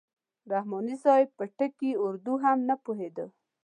رحماني صاحب په ټکي اردو هم نه پوهېده.